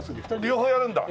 両方やるんだ。